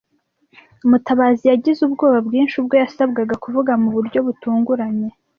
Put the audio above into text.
Mutabazi yagize ubwoba bwinshi ubwo yasabwaga kuvuga mu buryo butunguranye.